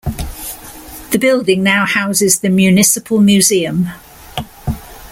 The building now houses the municipal museum.